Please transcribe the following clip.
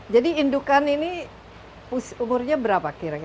jadi indukan ini umurnya berapa kira kira biasanya